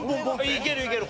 いけるいける。